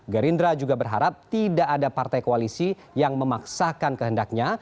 gerindra juga berharap tidak ada partai koalisi yang memaksakan kehendaknya